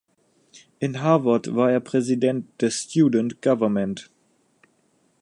In Harvard war er Präsident des "student government".